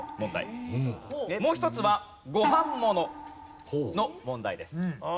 もう一つはご飯ものの問題です。